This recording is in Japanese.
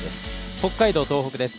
北海道・東北です。